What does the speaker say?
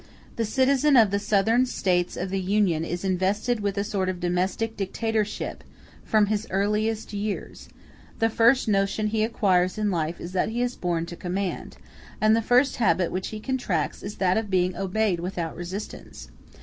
The citizen of the Southern States of the Union is invested with a sort of domestic dictatorship, from his earliest years; the first notion he acquires in life is that he is born to command, and the first habit which he contracts is that of being obeyed without resistance.